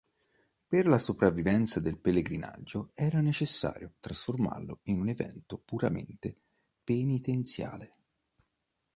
Per la sopravvivenza del pellegrinaggio era necessario trasformarlo in un evento puramente penitenziale.